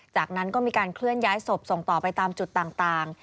จากนั้นก็มีการเคลื่อนย้ายศพส่งต่อไปตามจุดต่าง